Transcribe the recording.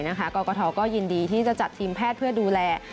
กรกฐก็ยินดีที่จะจัดทีมแพทย์เพื่อดูแล